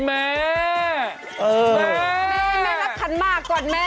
แม่รับขันหมากก่อนแม่